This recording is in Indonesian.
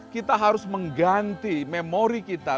kita harus mengganti memori kita